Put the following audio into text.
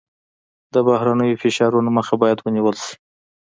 د بهرنیو فشارونو مخه باید ونیول شي.